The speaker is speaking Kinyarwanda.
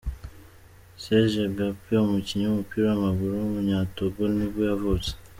Serge Gakpé, umukinnyi w’umupira w’amaguru w’umunyatogo nibwo yavutse.